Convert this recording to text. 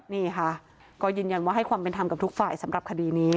นี่ค่ะก็ยืนยันว่าให้ความเป็นธรรมกับทุกฝ่ายสำหรับคดีนี้